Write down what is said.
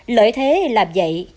lợi thế là vậy